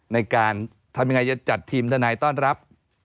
ในการทำยังไงจะจัดทีมทนายต้อนรับ